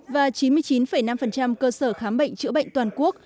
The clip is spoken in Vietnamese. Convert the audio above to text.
và chín mươi chín năm cơ sở khám bệnh chữa bệnh toàn quốc